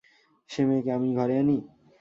সে-মেয়েকে আমি ঘরে আনি?